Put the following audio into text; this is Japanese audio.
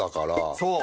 そう！